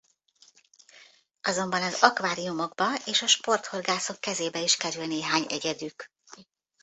Azonban az akváriumokba és a sporthorgászok kezébe is kerül néhány egyedük.